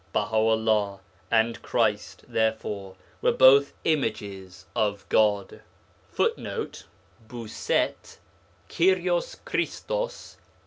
Baha 'ullah and Christ, therefore, were both 'images of God'; [Footnote: Bousset, Kyrios Christos, p.